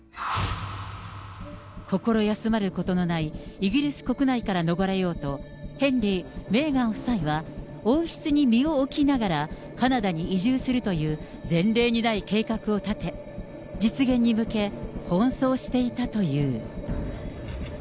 心休まることのない、イギリス国内から逃れようと、ヘンリー、メーガン夫妻は王室に身を置きながらカナダに移住するという、前例にない計画を立て、実現に向け、奔走していたという。